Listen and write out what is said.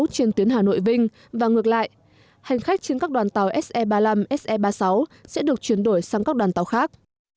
trên tuyến hà nội vinh và ngược lại hành khách trên các đoàn tàu se ba mươi năm se ba mươi sáu sẽ được chuyển đổi sang các đoàn tàu khác